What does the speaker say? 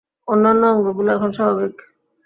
অন্যান্য অঙ্গগুলো এখন স্বাভাবিক?